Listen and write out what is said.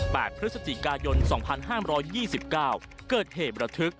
พฤศจิกายนสองพันห้ามร้อยยี่สิบเก้าเกิดเหตุประทึก